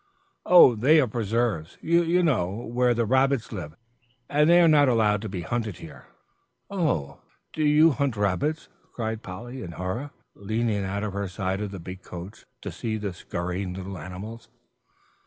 "Oh, they are preserves, you know, where the rabbits live, and they are not allowed to be hunted here." "Oh, do you ever hunt rabbits?" cried Polly, in horror, leaning out of her side of the big coach to see the scurrying little animals.